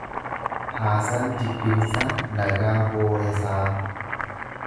Haasaan jibbiinsaa nagaa booresaa